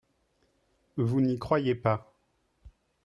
Vous n’y croyez pas